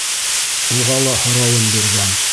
Уға ла һорауын биргән: